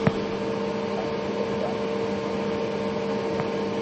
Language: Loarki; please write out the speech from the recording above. ھالين سب جاوا لاگيا ھين سب اوويا گيا